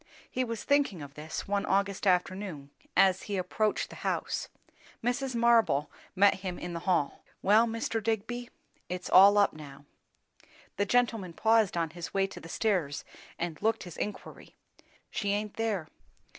He was thinking of this one August afternoon as he approached the house. Mrs. Marble met him in the hall. "Well, Mr. Digby, it's all up now!" The gentleman paused on his way to the stairs and looked his inquiry. "She aint there.